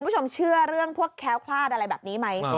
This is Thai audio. คุณผู้ชมเชื่อเรื่องพวกแค้วคลาดอะไรแบบนี้ไหม